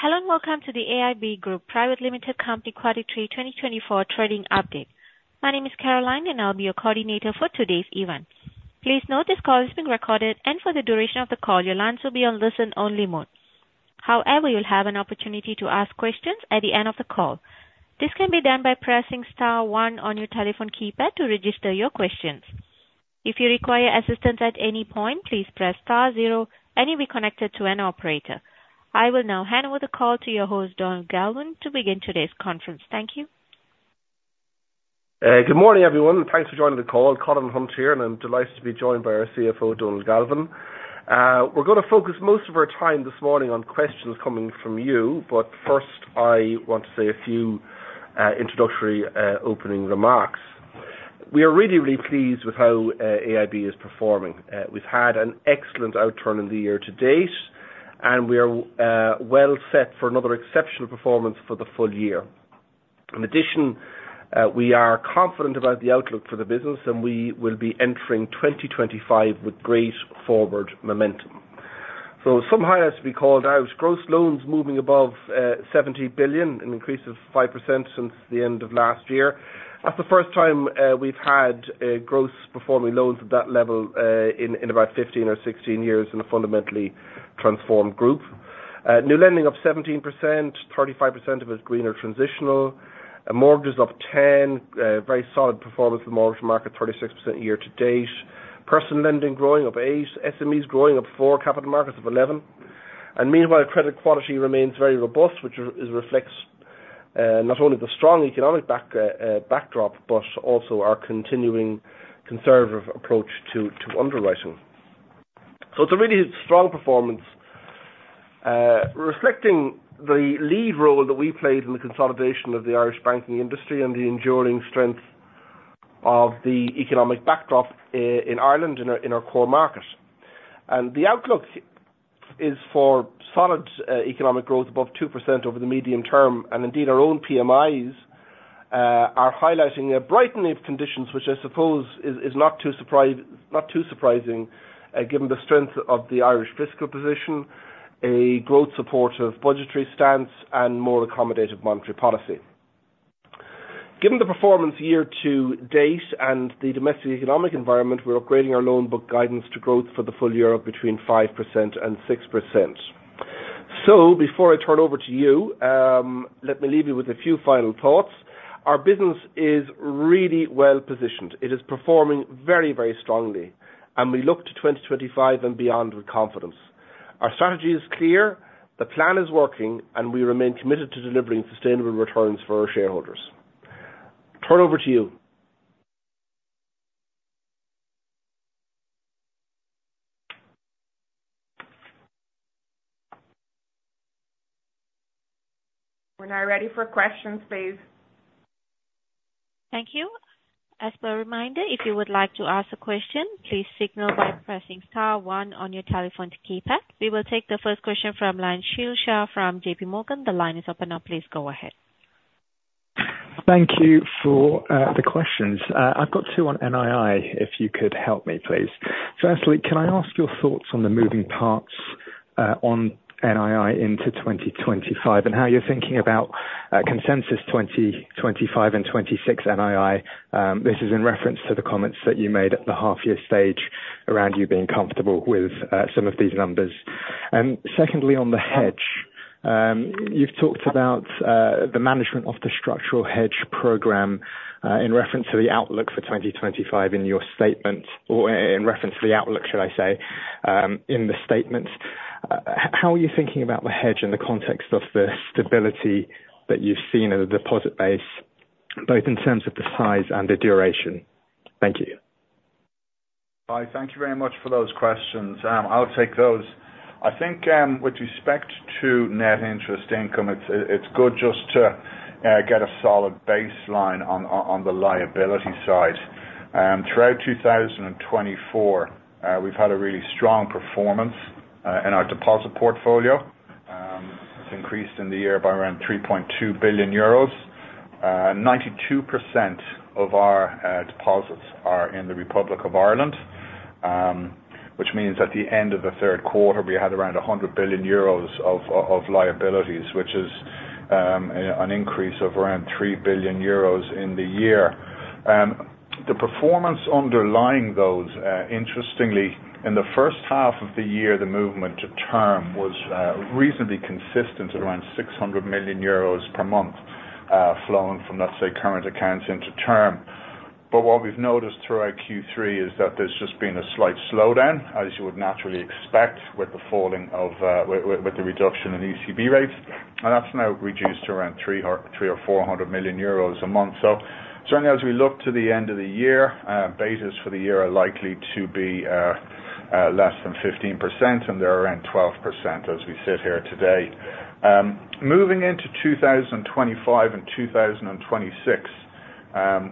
Hello and welcome to the AIB Group plc Q3 2024 trading update. My name is Caroline, and I'll be your coordinator for today's event. Please note this call is being recorded, and for the duration of the call, your lines will be on listen-only mode. However, you'll have an opportunity to ask questions at the end of the call. This can be done by pressing star one on your telephone keypad to register your questions. If you require assistance at any point, please press star zero, and you'll be connected to an operator. I will now hand over the call to your host, Donal Galvin, to begin today's conference. Thank you. Good morning, everyone. Thanks for joining the call. Colin Hunt here, and I'm delighted to be joined by our CFO, Donal Galvin. We're gonna focus most of our time this morning on questions coming from you, but first, I want to say a few, introductory, opening remarks. We are really, really pleased with how, AIB is performing. We've had an excellent outturn in the year to date, and we are, well set for another exceptional performance for the full year. In addition, we are confident about the outlook for the business, and we will be entering 2025 with great forward momentum, so some highlights to be called out: gross loans moving above 70 billion, an increase of 5% since the end of last year. That's the first time, we've had, gross performing loans at that level, in about 15 or 16 years in a fundamentally transformed group. New lending up 17%, 35% of it green or transitional. Mortgages up 10, very solid performance in the mortgage market, 36% year to date. Personal lending growing up 8, SMEs growing up 4, capital markets up 11. And meanwhile, credit quality remains very robust, which reflects not only the strong economic backdrop, but also our continuing conservative approach to underwriting. So it's a really strong performance, reflecting the lead role that we played in the consolidation of the Irish banking industry and the enduring strength of the economic backdrop in Ireland in our core market. The outlook is for solid economic growth above 2% over the medium term, and indeed, our own PMIs are highlighting a brightening of conditions, which I suppose is not too surprising, given the strength of the Irish fiscal position, a growth-supportive budgetary stance, and more accommodative monetary policy. Given the performance year to date and the domestic economic environment, we're upgrading our loan book guidance to growth for the full year of between 5% and 6%. Before I turn over to you, let me leave you with a few final thoughts. Our business is really well positioned. It is performing very, very strongly, and we look to 2025 and beyond with confidence. Our strategy is clear, the plan is working, and we remain committed to delivering sustainable returns for our shareholders. Turn over to you. We're now ready for questions, please. Thank you. As per reminder, if you would like to ask a question, please signal by pressing star one on your telephone keypad. We will take the first question from [Liane Shilshere] from JPMorgan. The line is open now. Please go ahead. Thank you for the questions. I've got two on NII, if you could help me, please. Firstly, can I ask your thoughts on the moving parts, on NII into 2025 and how you're thinking about consensus 2025 and 2026 NII? This is in reference to the comments that you made at the half-year stage around you being comfortable with some of these numbers. And secondly, on the hedge, you've talked about the management of the structural hedge program, in reference to the outlook for 2025 in your statement, or in reference to the outlook, should I say, in the statement. How are you thinking about the hedge in the context of the stability that you've seen in the deposit base, both in terms of the size and the duration? Thank you. Hi, thank you very much for those questions. I'll take those. I think, with respect to net interest income, it's good just to get a solid baseline on the liability side. Throughout 2024, we've had a really strong performance in our deposit portfolio. It's increased in the year by around 3.2 billion euros. 92% of our deposits are in the Republic of Ireland, which means at the end of the third quarter, we had around 100 billion euros of liabilities, which is an increase of around 3 billion euros in the year. The performance underlying those, interestingly, in the first half of the year, the movement to term was reasonably consistent at around 600 million euros per month, flowing from, let's say, current accounts into term. But what we've noticed throughout Q3 is that there's just been a slight slowdown, as you would naturally expect, with the reduction in ECB rates, and that's now reduced to around 3 or 400 million euros a month. So certainly, as we look to the end of the year, betas for the year are likely to be less than 15%, and they're around 12% as we sit here today. Moving into 2025 and 2026,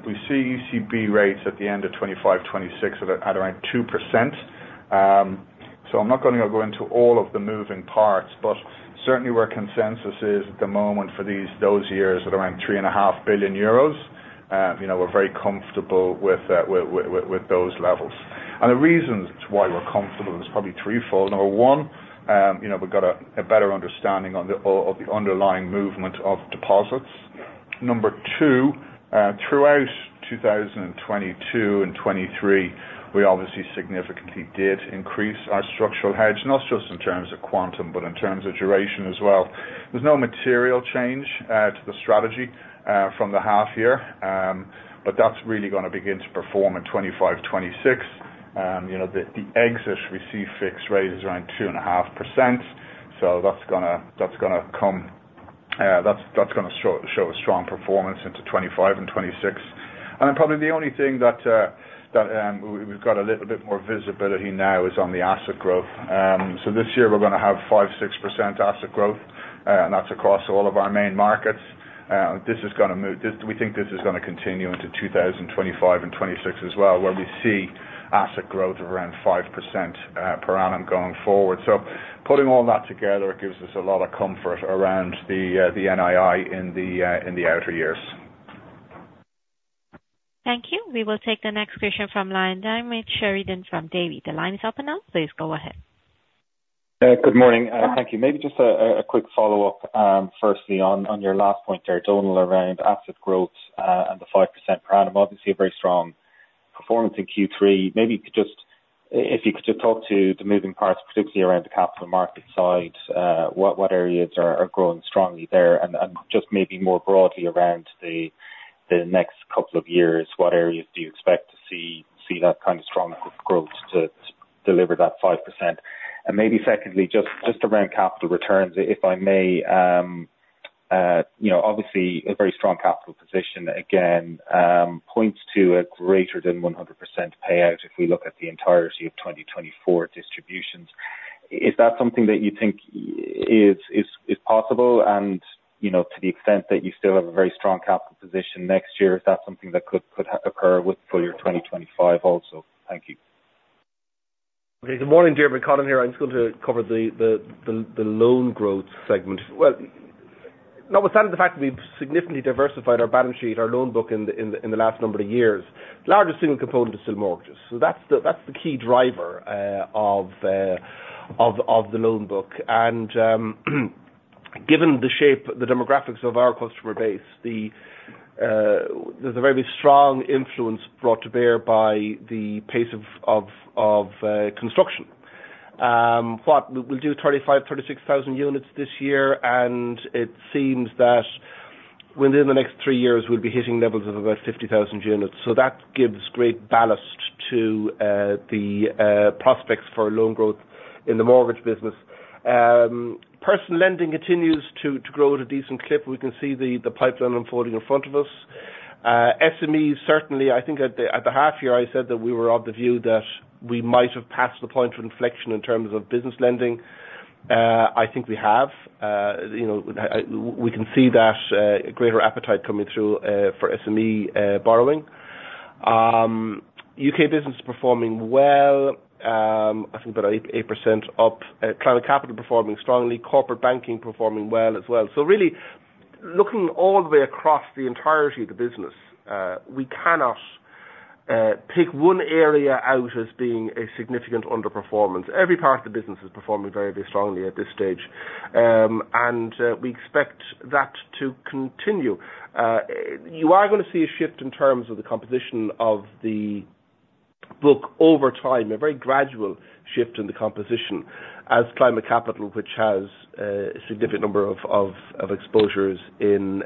we see ECB rates at the end of 2025, 2026 at around 2%. So I'm not gonna go into all of the moving parts, but certainly, where consensus is at the moment for these, those years at around 3 and a half billion euros, you know, we're very comfortable with those levels. And the reasons why we're comfortable is probably threefold. Number one, you know, we've got a better understanding of the underlying movement of deposits. Number two, throughout 2022 and 2023, we obviously significantly did increase our structural hedge, not just in terms of quantum, but in terms of duration as well. There's no material change to the strategy from the half-year, but that's really gonna begin to perform in 2025, 2026. You know, the excess receive fix rate is around 2.5%, so that's gonna come. That's gonna show a strong performance into 2025 and 2026. And then probably the only thing that we've got a little bit more visibility now is on the asset growth. So this year, we're gonna have 5%-6% asset growth, and that's across all of our main markets. This is gonna move this. We think this is gonna continue into 2025 and 2026 as well, where we see asset growth of around 5% per annum going forward. So putting all that together, it gives us a lot of comfort around the NII in the outer years. Thank you. We will take the next question from Diarmaid Sheridan from Davy. The line is open now. Please go ahead. Good morning. Thank you. Maybe just a quick follow-up, firstly on your last point there, Donal, around asset growth, and the 5% per annum. Obviously, a very strong performance in Q3. Maybe you could just talk to the moving parts, particularly around the Capital Markets side, what areas are growing strongly there, and just maybe more broadly around the next couple of years, what areas do you expect to see that kind of strong growth to deliver that 5%? And maybe secondly, just around capital returns, if I may, you know, obviously, a very strong capital position again, points to a greater than 100% payout if we look at the entirety of 2024 distributions. Is that something that you think is possible? You know, to the extent that you still have a very strong capital position next year, is that something that could, could occur with full year 2025 also? Thank you. Okay. Good morning, Colin Hunt here. I'm just gonna cover the loan growth segment. Well, notwithstanding the fact that we've significantly diversified our balance sheet, our loan book in the last number of years, the largest single component is still mortgages. So that's the key driver of the loan book. And given the shape, the demographics of our customer base, there's a very strong influence brought to bear by the pace of construction. What we'll do 35,000-36,000 units this year, and it seems that within the next three years, we'll be hitting levels of about 50,000 units. So that gives great ballast to the prospects for loan growth in the mortgage business. Personal lending continues to grow at a decent clip. We can see the pipeline unfolding in front of us. SMEs, certainly, I think at the half-year, I said that we were of the view that we might have passed the point of inflection in terms of business lending. I think we have. You know, we can see that greater appetite coming through for SME borrowing. U.K. business performing well. I think about 8% up. Private capital performing strongly. Corporate banking performing well as well. So really, looking all the way across the entirety of the business, we cannot pick one area out as being a significant underperformance. Every part of the business is performing very, very strongly at this stage. And we expect that to continue. You are gonna see a shift in terms of the composition of the book over time, a very gradual shift in the composition as private capital, which has a significant number of exposures in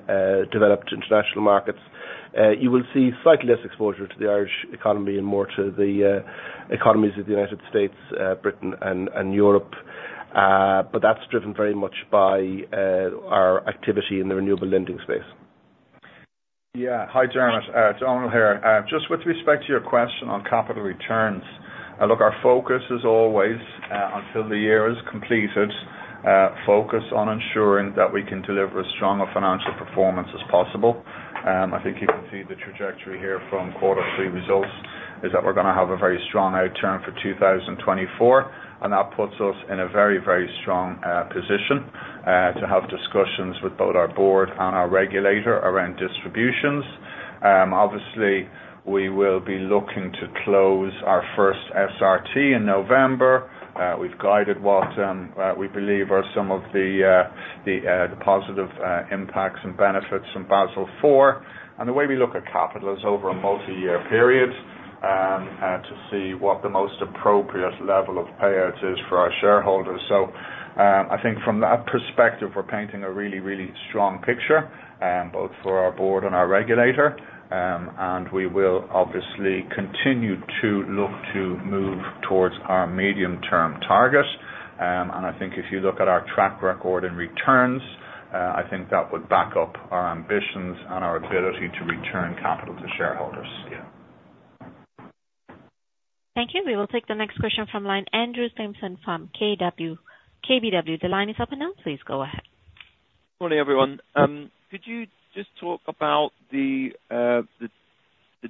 developed international markets. You will see slightly less exposure to the Irish economy and more to the economies of the United States, Britain, and Europe. But that's driven very much by our activity in the renewable lending space. Yeah. Hi, Diarmaid. Donal here. Just with respect to your question on capital returns, look, our focus is always, until the year is completed, focus on ensuring that we can deliver as strong a financial performance as possible. I think you can see the trajectory here from quarter three results is that we're gonna have a very strong outturn for 2024, and that puts us in a very, very strong position to have discussions with both our board and our regulator around distributions. Obviously, we will be looking to close our first SRT in November. We've guided what we believe are some of the positive impacts and benefits from Basel IV. And the way we look at capital is over a multi-year period to see what the most appropriate level of payout is for our shareholders. So, I think from that perspective, we're painting a really, really strong picture, both for our board and our regulator, and we will obviously continue to look to move towards our medium-term target. And I think if you look at our track record in returns, I think that would back up our ambitions and our ability to return capital to shareholders. Yeah. Thank you. We will take the next question from Andrew Stimpson from KBW. The line is open now. Please go ahead. Good morning, everyone. Could you just talk about the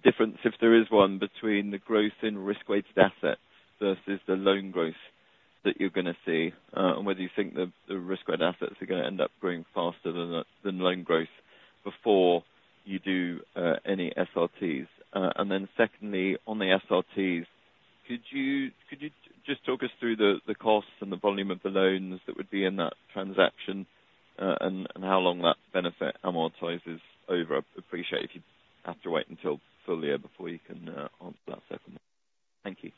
difference, if there is one, between the growth in risk-weighted assets versus the loan growth that you're gonna see, and whether you think the risk-weighted assets are gonna end up growing faster than loan growth before you do any SRTs? And then secondly, on the SRTs, could you just talk us through the costs and the volume of the loans that would be in that transaction, and how long that benefit amortizes over? Appreciate if you have to wait until full year before you can answer that second. Thank you.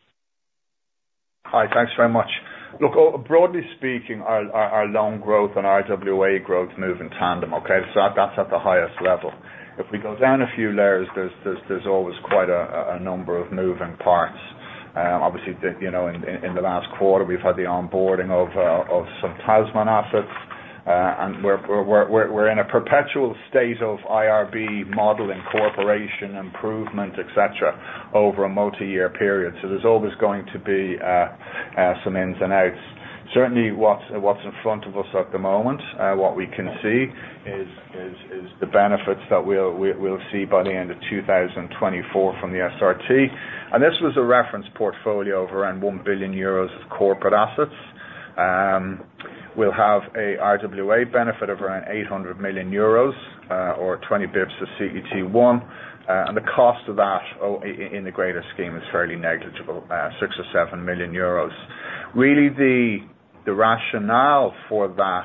Hi, thanks very much. Look, broadly speaking, our loan growth and RWA growth move in tandem, okay? So that's at the highest level. If we go down a few layers, there's always quite a number of moving parts. Obviously, you know, in the last quarter, we've had the onboarding of some Tasman assets, and we're in a perpetual state of IRB modeling, corporate improvement, etc., over a multi-year period. So there's always going to be some ins and outs. Certainly, what's in front of us at the moment, what we can see is the benefits that we'll see by the end of 2024 from the SRT. And this was a reference portfolio of around 1 billion euros of corporate assets. We'll have a RWA benefit of around 800 million euros, or 20 basis points of CET1. And the cost of that, oh, in the greater scheme is fairly negligible, 6 million or 7 million. Really, the rationale for that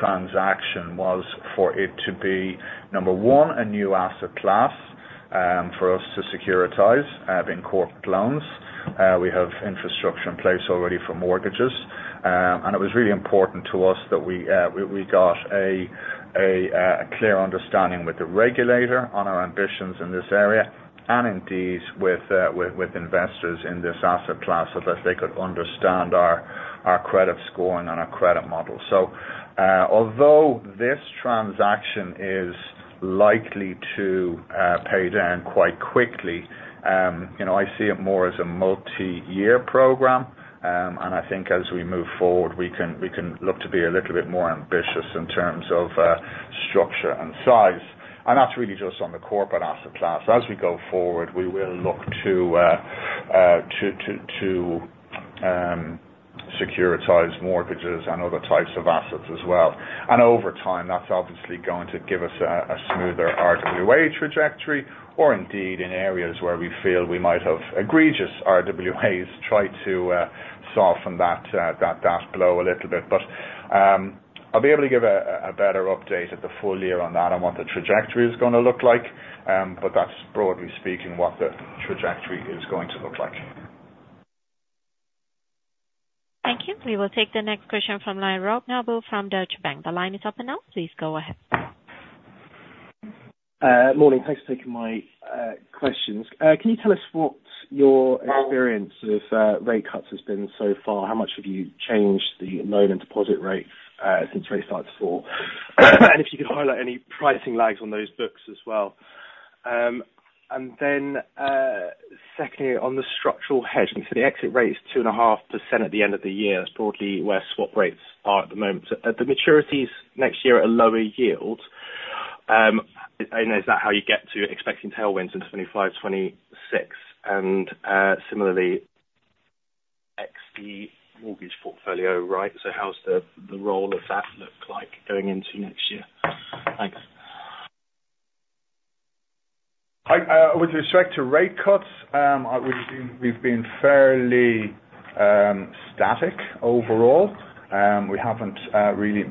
transaction was for it to be, number one, a new asset class, for us to securitize, being corporate loans. We have infrastructure in place already for mortgages. And it was really important to us that we got a clear understanding with the regulator on our ambitions in this area and indeed with investors in this asset class so that they could understand our credit scoring and our credit model. So, although this transaction is likely to pay down quite quickly, you know, I see it more as a multi-year program. I think as we move forward, we can look to be a little bit more ambitious in terms of structure and size. And that's really just on the corporate asset class. As we go forward, we will look to securitize mortgages and other types of assets as well. And over time, that's obviously going to give us a smoother RWA trajectory or indeed in areas where we feel we might have egregious RWAs, try to soften that blow a little bit. But I'll be able to give a better update at the full year on that and what the trajectory is gonna look like. But that's broadly speaking what the trajectory is going to look like. Thank you. We will take the next question from Robert Noble from Deutsche Bank. The line is open now. Please go ahead. Morning. Thanks for taking my questions. Can you tell us what your experience of rate cuts has been so far? How much have you changed the loan and deposit rates since 2024? And if you could highlight any pricing lags on those books as well. And then, secondly, on the structural hedge, so the exit rate's 2.5% at the end of the year, that's broadly where swap rates are at the moment. So at the maturities next year at a lower yield. And is that how you get to expecting tailwinds in 2025, 2026? And, similarly, ex the mortgage portfolio, right? So how's the roll of that look like going into next year? Thanks. Hi, with respect to rate cuts, I would assume we've been fairly static overall. We haven't really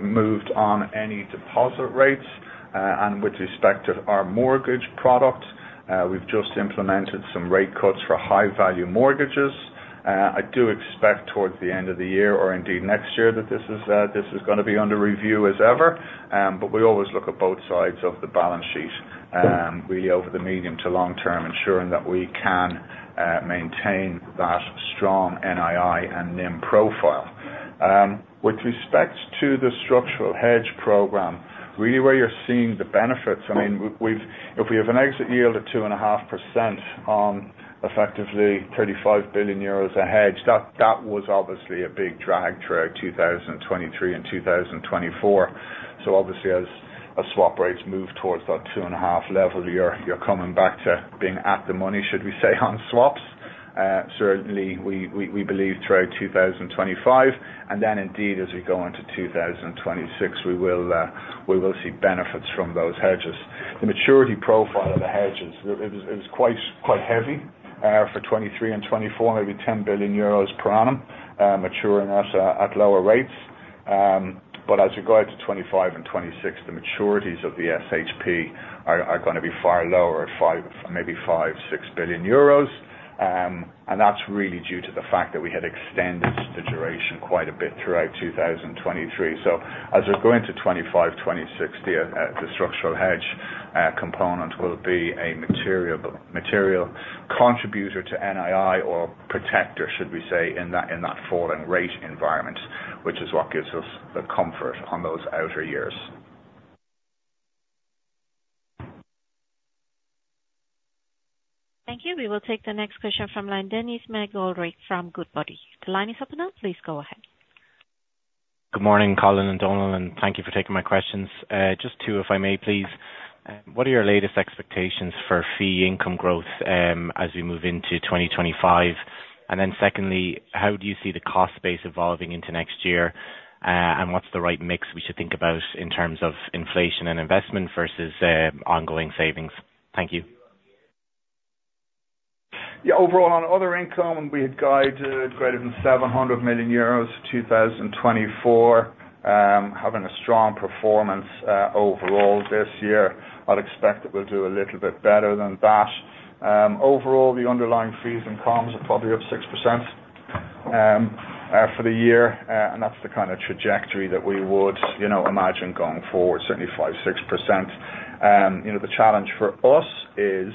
moved on any deposit rates. With respect to our mortgage product, we've just implemented some rate cuts for high-value mortgages. I do expect towards the end of the year or indeed next year that this is gonna be under review as ever. We always look at both sides of the balance sheet, really over the medium to long term, ensuring that we can maintain that strong NII and NIM profile. With respect to the structural hedge program, really where you're seeing the benefits, I mean, we have an exit yield of 2.5% on effectively 35 billion euros a hedge, that was obviously a big drag throughout 2023 and 2024. Obviously, as swap rates move towards that two and a half level, you're coming back to being at the money, should we say, on swaps. Certainly, we believe throughout 2025. Indeed, as we go into 2026, we will see benefits from those hedges. The maturity profile of the hedges, it was quite heavy, for 2023 and 2024, maybe 10 billion euros per annum, maturing at lower rates. As we go out to 2025 and 2026, the maturities of the SHP are gonna be far lower at five, maybe 5-6 billion euros. That's really due to the fact that we had extended the duration quite a bit throughout 2023. So as we go into 2025, 2026, the structural hedge component will be a material contributor to NII or protector, should we say, in that falling rate environment, which is what gives us the comfort on those outer years. Thank you. We will take the next question from Denis McGoldrick from Goodbody. The line is open now. Please go ahead. Good morning, Colin and Donal, and thank you for taking my questions. Just two, if I may, please. What are your latest expectations for fee income growth, as we move into 2025, and then secondly, how do you see the cost base evolving into next year, and what's the right mix we should think about in terms of inflation and investment versus ongoing savings? Thank you. Yeah. Overall, on other income, we had guided greater than 700 million euros for 2024, having a strong performance overall this year. I'd expect that we'll do a little bit better than that. Overall, the underlying fees and comms are probably up 6% for the year. And that's the kind of trajectory that we would, you know, imagine going forward, certainly 5%-6%. You know, the challenge for us is,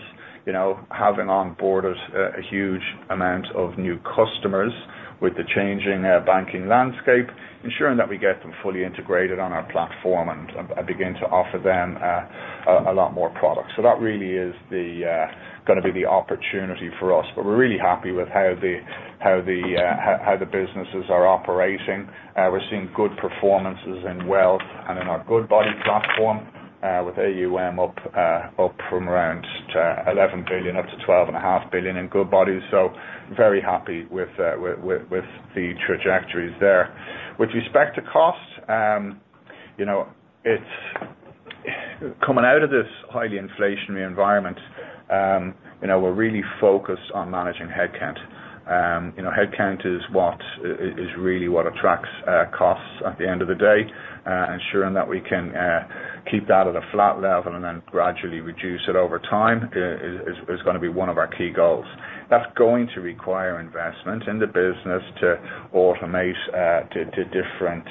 you know, having onboarded a huge amount of new customers with the changing banking landscape, ensuring that we get them fully integrated on our platform and begin to offer them a lot more products. So that really is gonna be the opportunity for us. But we're really happy with how the businesses are operating. We're seeing good performances in wealth and in our Goodbody platform, with AUM up from around 11 billion up to 12.5 billion in Goodbody. So very happy with the trajectories there. With respect to cost, you know, it's coming out of this highly inflationary environment, you know, we're really focused on managing headcount. You know, headcount is what is really what attracts costs at the end of the day, ensuring that we can keep that at a flat level and then gradually reduce it over time, is gonna be one of our key goals. That's going to require investment in the business to automate to different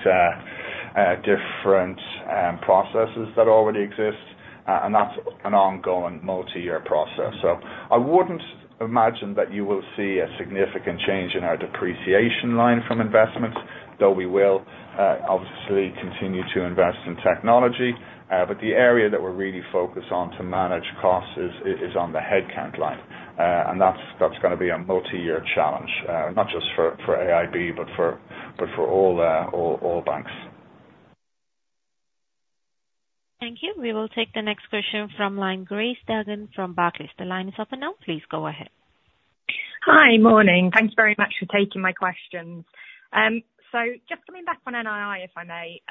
processes that already exist, and that's an ongoing multi-year process. So I wouldn't imagine that you will see a significant change in our depreciation line from investments, though we will, obviously, continue to invest in technology. but the area that we're really focused on to manage costs is on the headcount line. and that's gonna be a multi-year challenge, not just for AIB, but for all banks. Thank you. We will take the next question from Grace Dargan from Barclays. The line is open now. Please go ahead. Hi, morning. Thanks very much for taking my questions. So just coming back on NII, if I may,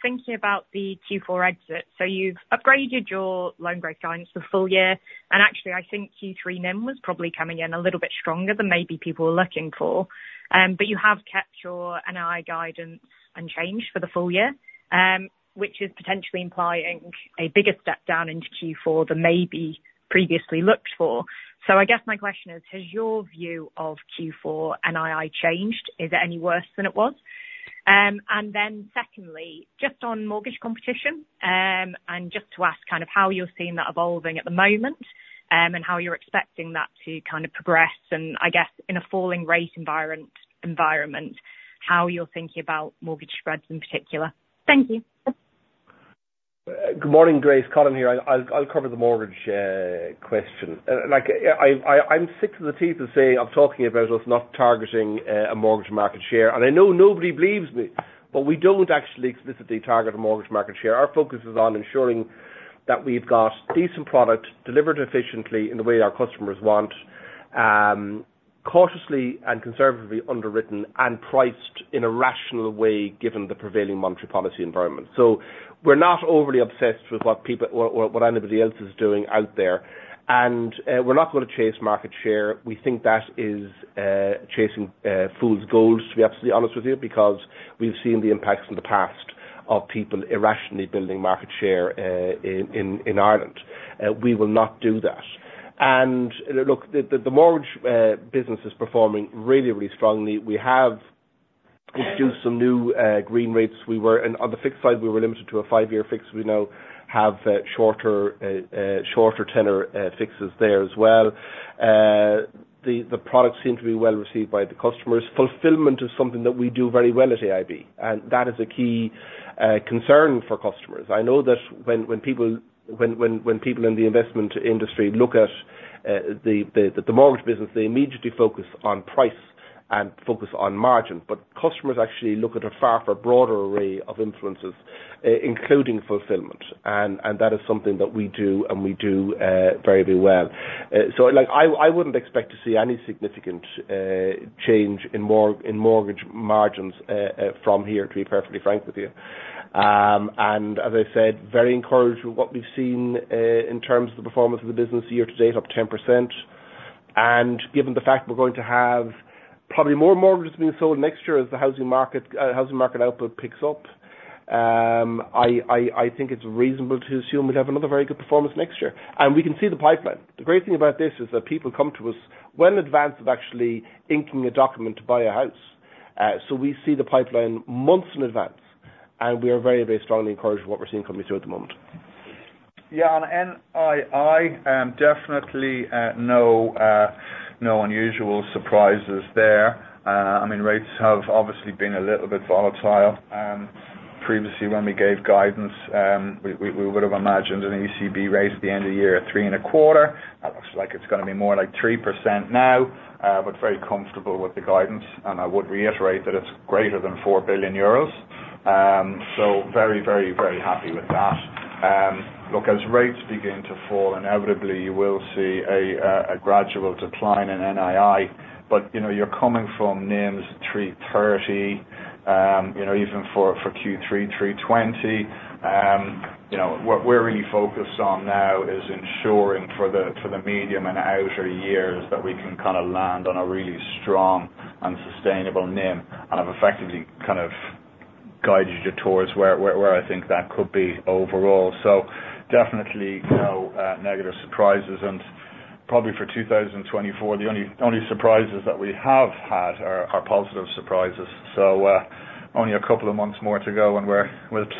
thinking about the Q4 exit. So you've upgraded your loan growth guidance for full year. And actually, I think Q3 NIM was probably coming in a little bit stronger than maybe people were looking for. But you have kept your NII guidance unchanged for the full year, which is potentially implying a bigger step down into Q4 than maybe previously looked for. So I guess my question is, has your view of Q4 NII changed? Is it any worse than it was? And then secondly, just on mortgage competition, and just to ask kind of how you're seeing that evolving at the moment, and how you're expecting that to kind of progress. And I guess in a falling rate environment, how you're thinking about mortgage spreads in particular. Thank you. Good morning, Grace. Colin here. I'll cover the mortgage question. Like, I'm sick to the teeth of saying I'm talking about us not targeting a mortgage market share, and I know nobody believes me, but we don't actually explicitly target a mortgage market share. Our focus is on ensuring that we've got decent product delivered efficiently in the way our customers want, cautiously and conservatively underwritten and priced in a rational way given the prevailing monetary policy environment, so we're not overly obsessed with what people or what anybody else is doing out there, and we're not gonna chase market share. We think that is chasing fool's gold, to be absolutely honest with you, because we've seen the impacts in the past of people irrationally building market share in Ireland. We will not do that. Look, the mortgage business is performing really, really strongly. We have introduced some new green rates. We were in on the fixed side, we were limited to a five-year fix. We now have shorter tenor fixes there as well. The product seemed to be well received by the customers. Fulfillment is something that we do very well at AIB, and that is a key concern for customers. I know that when people in the investment industry look at the mortgage business, they immediately focus on price and focus on margin. But customers actually look at a far, far broader array of influences, including fulfillment. And that is something that we do, and we do very, very well. So, like, I wouldn't expect to see any significant change in mortgage margins from here, to be perfectly frank with you. And as I said, very encouraged with what we've seen in terms of the performance of the business year to date, up 10%. And given the fact we're going to have probably more mortgages being sold next year as the housing market output picks up, I think it's reasonable to assume we'd have another very good performance next year. And we can see the pipeline. The great thing about this is that people come to us well in advance of actually inking a document to buy a house. So we see the pipeline months in advance, and we are very, very strongly encouraged with what we're seeing coming through at the moment. Yeah. On NII, definitely, no unusual surprises there. I mean, rates have obviously been a little bit volatile. Previously, when we gave guidance, we would've imagined an ECB rate at the end of the year at 3.25%. That looks like it's gonna be more like 3% now, but very comfortable with the guidance, and I would reiterate that it's greater than 4 billion euros, so very, very, very happy with that. Look, as rates begin to fall, inevitably, you will see a gradual decline in NII, but you know, you're coming from NIMs 330, you know, even for Q3, 320. You know, what we're really focused on now is ensuring for the medium and outer years that we can kinda land on a really strong and sustainable NIM. And I've effectively kind of guided you towards where I think that could be overall. So definitely no negative surprises. And probably for 2024, the only surprises that we have had are positive surprises. So only a couple of months more to go when we're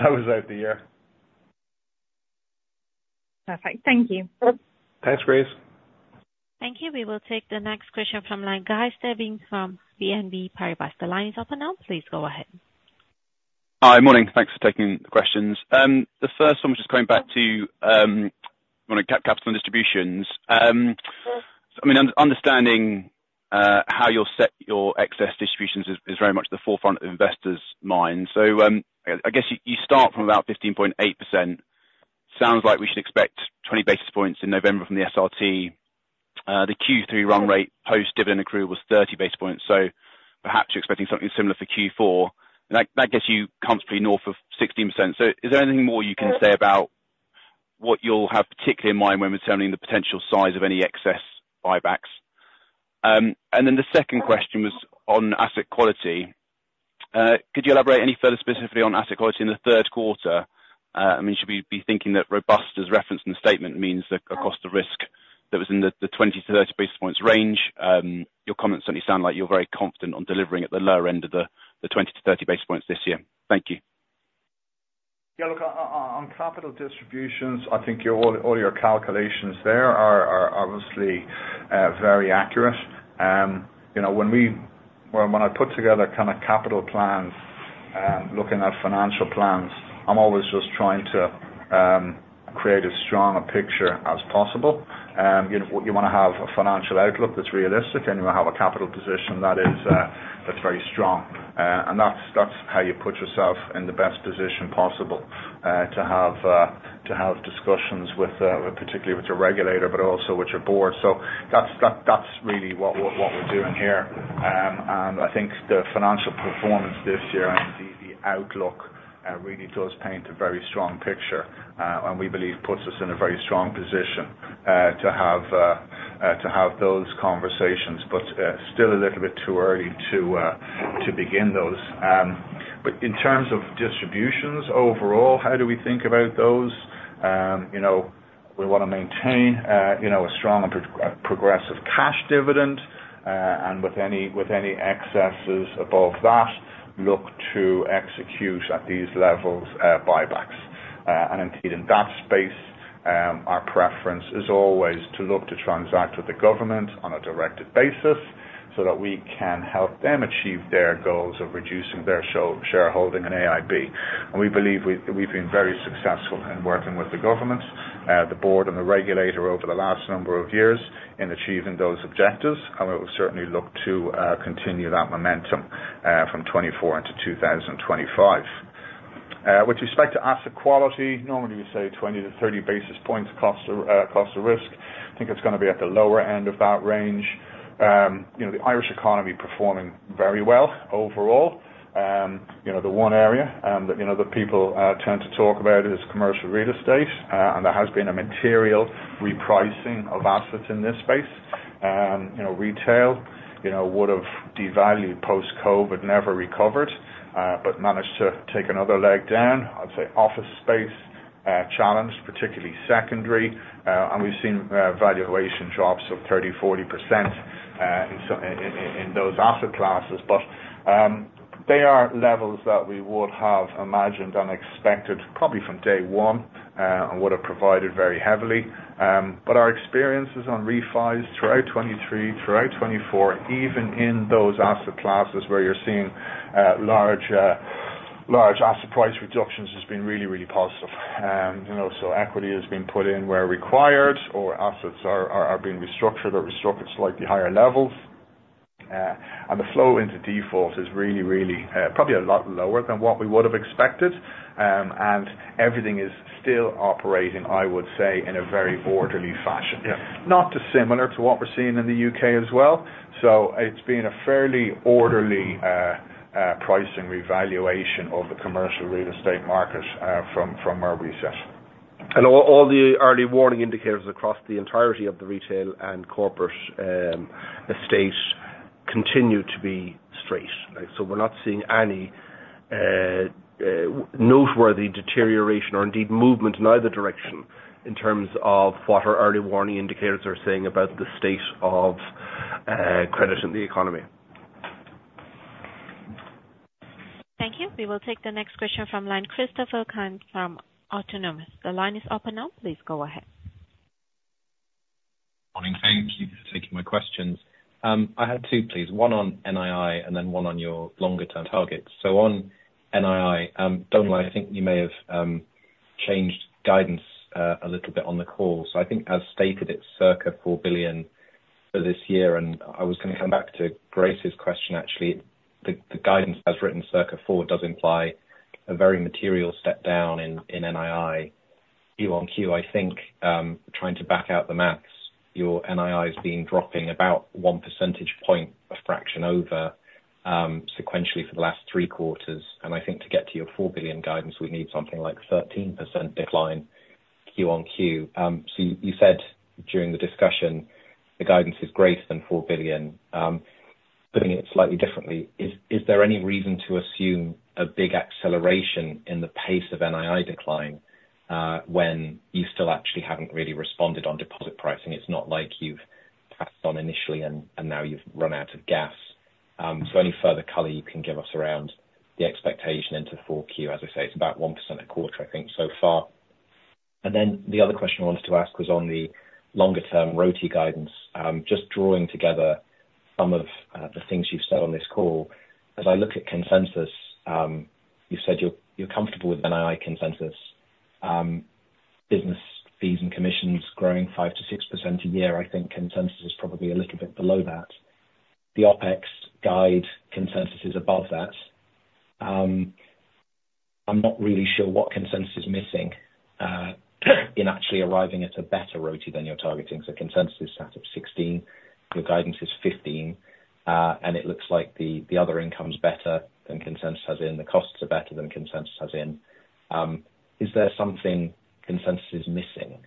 close out the year. Perfect. Thank you. Thanks, Grace. Thank you. We will take the next question from Guy Stebbings from BNP Paribas. The line is open now. Please go ahead. Hi, morning. Thanks for taking the questions. The first one was just going back to capital caps on distributions. I mean, understanding how you'll set your excess distributions is very much at the forefront of investors' minds. So, I guess you start from about 15.8%. Sounds like we should expect 20 basis points in November from the SRT. The Q3 run rate post-dividend accrual was 30 basis points. So perhaps you're expecting something similar for Q4. And that gets you comfortably north of 16%. So is there anything more you can say about what you'll have particularly in mind when determining the potential size of any excess buybacks? And then the second question was on asset quality. Could you elaborate any further specifically on asset quality in the third quarter? I mean, should we be thinking that Robert's reference in the statement means that cost of risk that was in the 20-30 basis points range? Your comments certainly sound like you're very confident on delivering at the lower end of the 20-30 basis points this year. Thank you. Yeah. Look, on capital distributions, I think all your calculations there are obviously very accurate. You know, when I put together kinda capital plans, looking at financial plans, I'm always just trying to create as strong a picture as possible. You know, you wanna have a financial outlook that's realistic, and you wanna have a capital position that's very strong, and that's how you put yourself in the best position possible to have discussions with, particularly with your regulator, but also with your board. So that's really what we're doing here, and I think the financial performance this year and the outlook really does paint a very strong picture, and we believe puts us in a very strong position to have those conversations. But still a little bit too early to begin those. But in terms of distributions overall, how do we think about those? You know, we wanna maintain, you know, a strong and progressive cash dividend, and with any excesses above that, look to execute at these levels, buybacks. And indeed in that space, our preference is always to look to transact with the government on a directed basis so that we can help them achieve their goals of reducing their shareholding in AIB. And we believe we've been very successful in working with the government, the board, and the regulator over the last number of years in achieving those objectives. And we will certainly look to continue that momentum from 2024 into 2025. With respect to asset quality, normally we say 20-30 basis points cost of risk. I think it's gonna be at the lower end of that range. You know, the Irish economy performing very well overall. You know, the one area that people tend to talk about is commercial real estate. And there has been a material repricing of assets in this space. You know, retail, you know, would've devalued post-COVID, never recovered, but managed to take another leg down. I'd say office space, challenged, particularly secondary. And we've seen valuation drops of 30%-40% in those asset classes. But they are levels that we would have imagined and expected probably from day one, and would've provided very heavily. But our experiences on refis throughout 2023, throughout 2024, even in those asset classes where you're seeing large asset price reductions has been really, really positive. You know, so equity has been put in where required or assets are being restructured or restructured to slightly higher levels. And the flow into default is really, really, probably a lot lower than what we would've expected. And everything is still operating, I would say, in a very orderly fashion. Yeah. Not dissimilar to what we're seeing in the U.K. as well. So it's been a fairly orderly, pricing revaluation of the commercial real estate market, from where we sit. And all the early warning indicators across the entirety of the retail and corporate estate continue to be strong. Like, so we're not seeing any noteworthy deterioration or indeed movement in either direction in terms of what our early warning indicators are saying about the state of credit in the economy. Thank you. We will take the next question from Christopher Cant from Autonomous. The line is open now. Please go ahead. Morning. Thank you for taking my questions. I had two, please. One on NII and then one on your longer-term targets. So on NII, Donal, I think you may have changed guidance a little bit on the call. So I think, as stated, it's circa 4 billion for this year. And I was gonna come back to Grace's question, actually. The guidance as written, circa 4, does imply a very material step down in NII. Q-on-Q, I think, trying to back out the math, your NII has been dropping about 1 percentage point a fraction over sequentially for the last three quarters. And I think to get to your 4 billion guidance, we need something like 13% decline Q- on- Q. So you said during the discussion, the guidance is greater than 4 billion. Putting it slightly differently, is there any reason to assume a big acceleration in the pace of NII decline, when you still actually haven't really responded on deposit pricing? It's not like you've passed on initially and now you've run out of gas. So any further color you can give us around the expectation into 4Q? As I say, it's about 1% a quarter, I think, so far. And then the other question I wanted to ask was on the longer-term ROTE guidance. Just drawing together some of the things you've said on this call, as I look at consensus, you've said you're comfortable with NII consensus. Business fees and commissions growing 5%-6% a year. I think consensus is probably a little bit below that. The OpEx guide consensus is above that. I'm not really sure what consensus is missing in actually arriving at a better ROTE than you're targeting. So consensus is set at 16%. Your guidance is 15%. And it looks like the other income's better than consensus has in. The costs are better than consensus has in. Is there something consensus is missing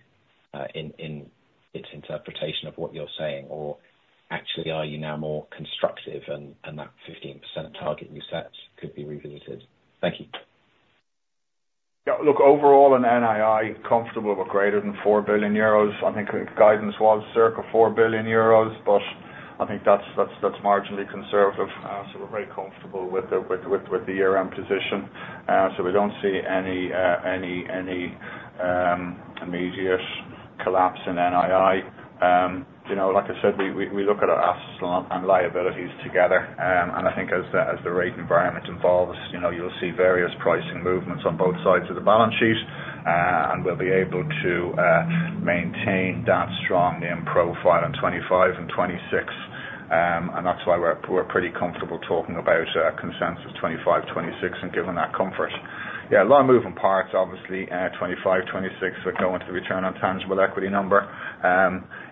in its interpretation of what you're saying? Or actually, are you now more constructive and that 15% target you set could be revisited? Thank you. Yeah. Look, overall in NII, comfortable with greater than 4 billion euros. I think the guidance was circa 4 billion euros, but I think that's marginally conservative. So we're very comfortable with the year-end position. So we don't see any immediate collapse in NII. You know, like I said, we look at our assets and liabilities together. And I think as the rate environment evolves, you know, you'll see various pricing movements on both sides of the balance sheet. And we'll be able to maintain that strong NIM profile in 2025 and 2026. And that's why we're pretty comfortable talking about consensus 2025, 2026 and given that comfort. Yeah. A lot of moving parts, obviously, 2025, 2026, but going to the return on tangible equity number.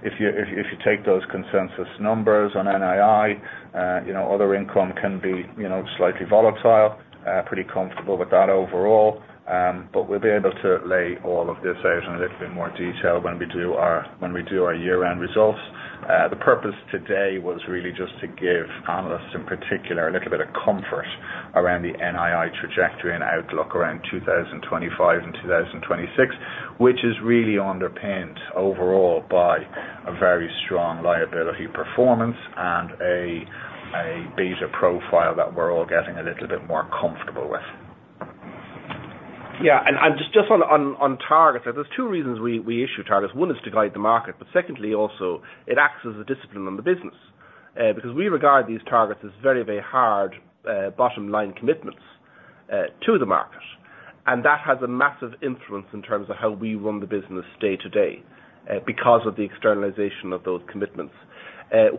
If you take those consensus numbers on NII, you know, other income can be, you know, slightly volatile. Pretty comfortable with that overall. But we'll be able to lay all of this out in a little bit more detail when we do our year-end results. The purpose today was really just to give analysts in particular a little bit of comfort around the NII trajectory and outlook around 2025 and 2026, which is really underpinned overall by a very strong liability performance and a beta profile that we're all getting a little bit more comfortable with. Yeah. Just on targets, there's two reasons we issue targets. One is to guide the market. But secondly, also, it acts as a discipline on the business, because we regard these targets as very, very hard, bottom-line commitments to the market. And that has a massive influence in terms of how we run the business day to day, because of the externalization of those commitments.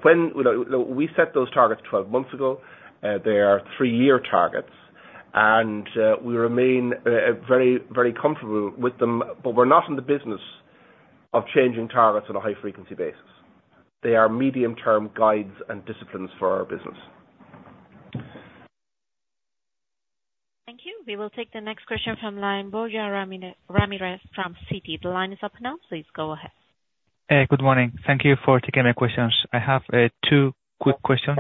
When you know we set those targets 12 months ago. They are three-year targets. We remain very, very comfortable with them, but we're not in the business of changing targets on a high-frequency basis. They are medium-term guides and disciplines for our business. Thank you. We will take the next question from Borja Ramirez Segura from Citi. The line is open now. Please go ahead. Good morning. Thank you for taking my questions. I have two quick questions.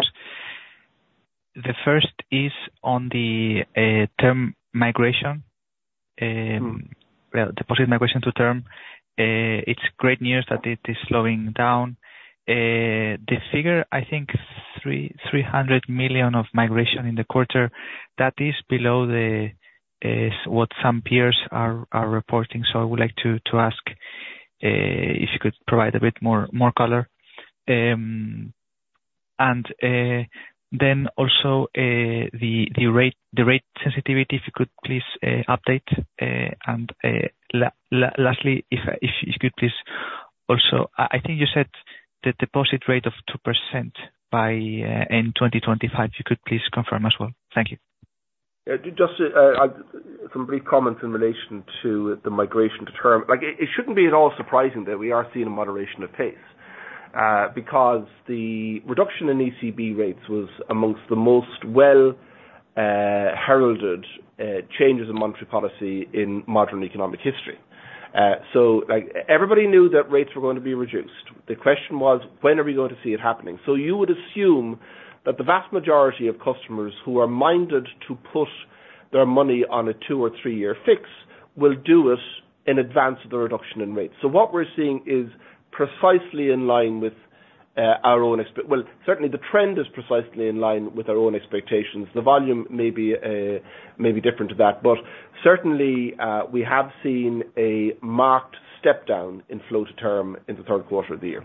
The first is on the term migration, well, deposit migration to term. It's great news that it is slowing down. The figure, I think, 300 million of migration in the quarter, that is below what some peers are reporting. So I would like to ask if you could provide a bit more color. And then also the rate sensitivity, if you could please update. Lastly, if you could please also, I think you said the deposit rate of 2% by in 2025. If you could please confirm as well. Thank you. Yeah. Just some brief comments in relation to the migration to term. Like, it shouldn't be at all surprising that we are seeing a moderation of pace, because the reduction in ECB rates was among the most well-heralded changes in monetary policy in modern economic history. So, like, everybody knew that rates were going to be reduced. The question was, when are we going to see it happening? So you would assume that the vast majority of customers who are minded to put their money on a two or three-year fix will do it in advance of the reduction in rates. So what we're seeing is precisely in line with our own expectations. Well, certainly, the trend is precisely in line with our own expectations. The volume may be different to that. But certainly, we have seen a marked step down in flow to term in the third quarter of the year.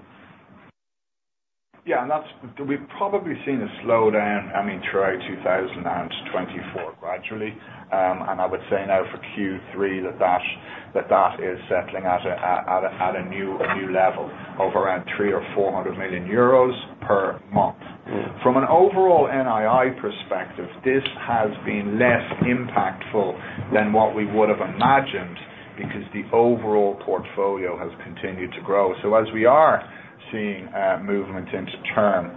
Yeah. And that we've probably seen a slowdown, I mean, throughout 2024 gradually. I would say now for Q3 that is settling at a new level of around 300 million-400 million euros per month. Mm-hmm. From an overall NII perspective, this has been less impactful than what we would've imagined because the overall portfolio has continued to grow. So as we are seeing, movement into term,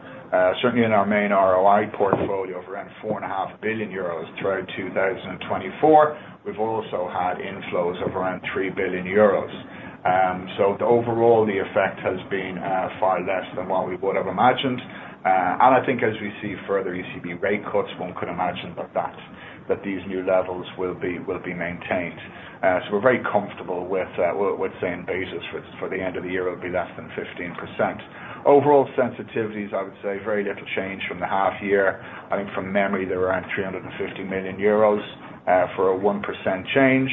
certainly in our main ROI portfolio of around 4.5 billion euros throughout 2024, we've also had inflows of around 3 billion euros. So the overall effect has been far less than what we would've imagined. And I think as we see further ECB rate cuts, one could imagine that these new levels will be maintained. So we're very comfortable with saying beta for the end of the year it'll be less than 15%. Overall sensitivities, I would say, very little change from the half year. I think from memory they're around 350 million euros, for a 1% change.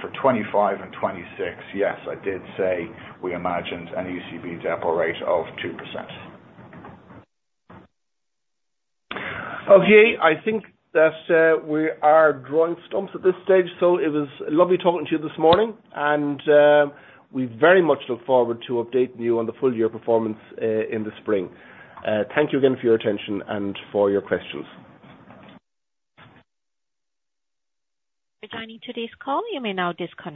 For 2025 and 2026, yes, I did say we imagined an ECB deposit rate of 2%. Okay. I think that we are drawing stumps at this stage, so it was lovely talking to you this morning, and we very much look forward to updating you on the full-year performance in the spring. Thank you again for your attention and for your questions. Joining today's call. You may now disconnect.